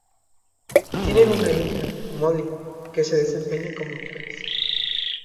Tienen una hija, Molly, que se desempeña como actriz.